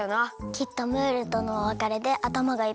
きっとムールとのおわかれであたまがいっぱいだったんだよ。